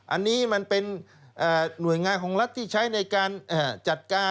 อันนี้มันเป็นหน่วยงานของรัฐที่ใช้ในการจัดการ